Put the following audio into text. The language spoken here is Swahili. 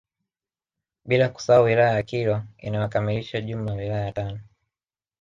Bila kusahau wilaya ya Kilwa inayokamilisha jumla ya wilaya tano